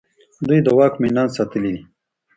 دوی د واک مينان ستايلي دي.